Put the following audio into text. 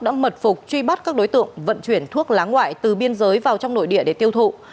đã mật phục truy bắt các đối tượng vận chuyển thuốc lá ngoại từ biên giới vào trong nội địa để tiêu thụ